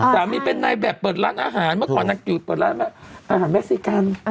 สามีเป็นนายแบบเปิดร้านอาหารเมื่อก่อนนางอยู่เปิดร้านอาหารเม็กซิกัน